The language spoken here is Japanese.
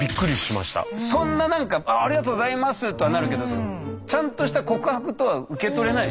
そんななんか「ありがとうございます」とはなるけどちゃんとした告白とは受け取れないでしょ？